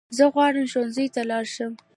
زه غواړم ښوونځی ته لاړ شم